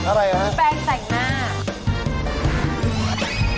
กลับไปใส่หน้า